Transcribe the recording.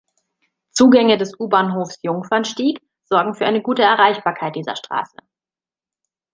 Zugänge des U-Bahnhofs Jungfernstieg sorgen für eine gute Erreichbarkeit dieser Straße.